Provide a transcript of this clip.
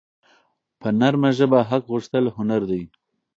په نرمه ژبه حق غوښتل هنر دی.